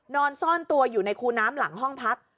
นอนซ่อนตัวอยู่ในคูน้ำหลังห้องพัก